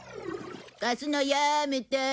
貸すのやめた！